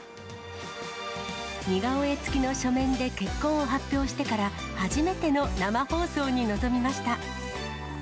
似顔絵付きの書面で結婚を発表してから、初めての生放送に臨みました。